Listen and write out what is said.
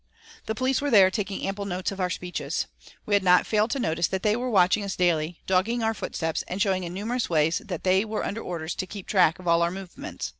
The police were there, taking ample notes of our speeches. We had not failed to notice that they were watching us daily, dogging our footsteps, and showing in numerous ways that they were under orders to keep track of all our movements.